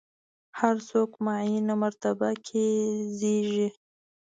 هر څوک معینه مرتبه کې زېږي.